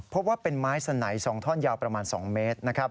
พบว่าเป็นไม้สนัย๒ท่อนยาวประมาณ๒เมตรนะครับ